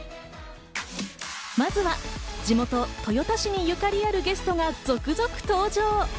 まずは地元・豊田市にゆかりあるゲストが続々登場。